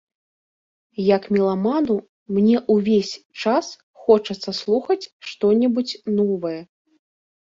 Як меламану, мне ўвесь час хочацца слухаць што-небудзь новае.